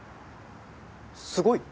「すごい」？